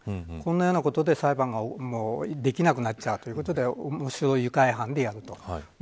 このようなことで裁判ができなくなっちゃうということで愉快犯でやると。